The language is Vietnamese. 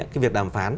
cái việc đàm phán